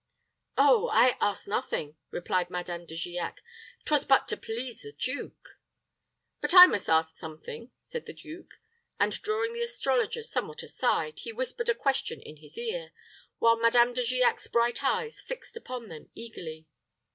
"Oh, I ask nothing," replied Madame De Giac. "'Twas but to please the duke." "But I must ask something," said the duke; and, drawing the astrologer somewhat aside, he whispered a question in his ear, while Madame De Giac's bright eyes fixed upon them eagerly.